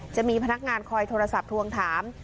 จะมีพนักงานคอยโทรศัพท์ทวงถาม